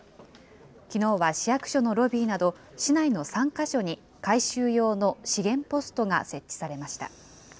きのうは、市役所のロビーなど、市内の３か所に、回収用のしげんポストが設置されました。